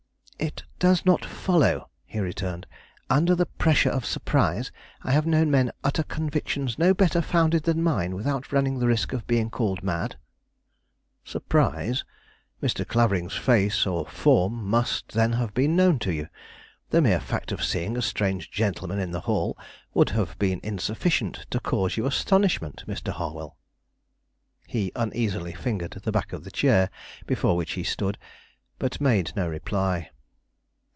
"It does not follow," he returned. "Under the pressure of surprise, I have known men utter convictions no better founded than mine without running the risk of being called mad." "Surprise? Mr. Clavering's face or form must, then, have been known to you. The mere fact of seeing a strange gentleman in the hall would have been insufficient to cause you astonishment, Mr. Harwell." He uneasily fingered the back of the chair before which he stood, but made no reply.